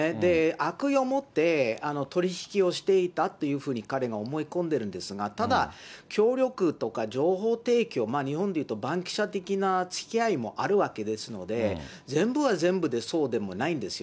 悪意を持って取り引きをしていたというふうに、彼は思い込んでるんですが、ただ、協力とか情報提供、日本でいうと番記者的なつきあいもあるわけですので、全部が全部そうでもないんですよ。